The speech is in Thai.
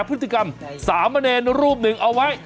พฤติกรรมสามเณรรูปหนึ่งเอาไว้